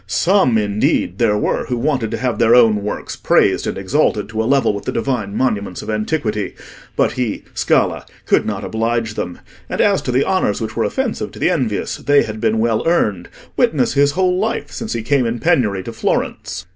Some, indeed, there were who wanted to have their own works praised and exalted to a level with the divine monuments of antiquity; but he, Scala, could not oblige them. And as to the honours which were offensive to the envious, they had been well earned: witness his whole life since he came in penury to Florence.